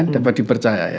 dapat dipercaya ya